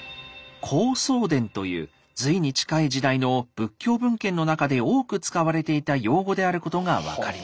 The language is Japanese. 「高僧傳」という隋に近い時代の仏教文献の中で多く使われていた用語であることが分かります。